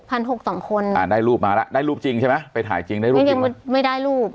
หกสองคนอ่าได้รูปมาแล้วได้รูปจริงใช่ไหมไปถ่ายจริงได้รูปจริงไม่ได้รูป